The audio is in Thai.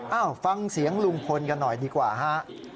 เอ้าฟังเสียงลุงพลกันหน่อยดีกว่าฮะ